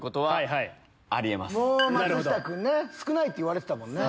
松下君少ないって言われてたもんね。